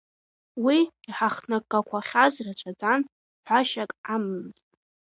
Уи иҳахҭнагақәахьаз рацәаӡан, ҳәашьак амамызт.